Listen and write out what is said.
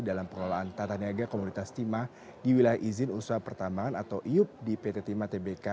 dalam pengelolaan tata niaga komunitas timah di wilayah izin usaha pertambangan atau iup di pt timah tbk